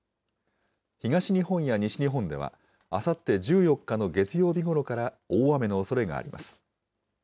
東日本や西日本では、あさって１４日の月曜日ごろから大雨のおそれがあります。